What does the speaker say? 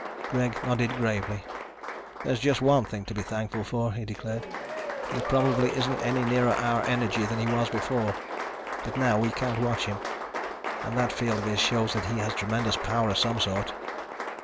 Greg nodded gravely. "There's just one thing to be thankful for," he declared. "He probably isn't any nearer our energy than he was before. But now we can't watch him. And that field of his shows that he has tremendous power of some sort."